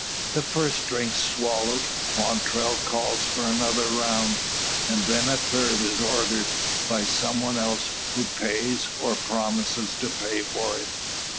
The first drinks swallowed, Quantrell calls for another round; and then a third is ordered, by some one else, who pays, or promises to pay for it.